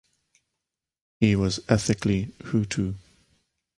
He was ethnically Hutu.